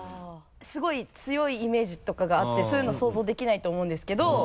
すごい強いイメージとかがあってそういうの想像できないと思うんですけど。